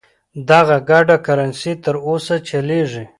دغه ګډه کرنسي تر اوسه چلیږي.